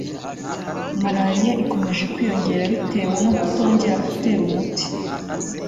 malariya ikomeje kwiyongera bitewe no kutongera gutera umuti